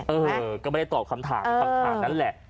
เออก็ไม่ได้ตอบคำถามคำถามนั้นแหละ